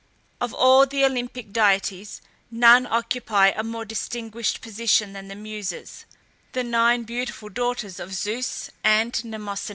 Of all the Olympic deities, none occupy a more distinguished position than the Muses, the nine beautiful daughters of Zeus and Mnemosyne.